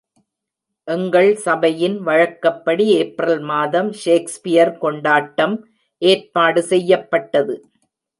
எங்கள் சபையின் வழக்கப்படி ஏப்ரல் மாதம் ஷேக்ஸ்பியர் கொண்டாட்டம் ஏற்பாடு செய்யப்பட்டது.